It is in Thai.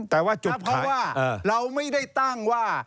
เพราะว่าเราไม่ได้ตั้งว่า